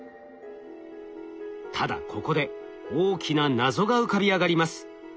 ただここで大きな謎が浮かび上がります。